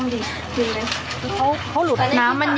มันเป็นไรมันอ้วนไปหรอ